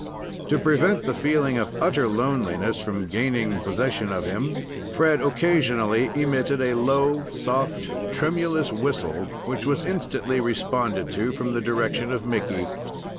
To prevent the feeling of utter loneliness from gaining possession of him, Fred occasionally emitted a low, soft, tremulous whistle, which was instantly responded to from the direction of Mickey.